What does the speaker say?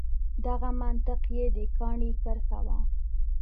دغه منطق یې د کاڼي کرښه وه.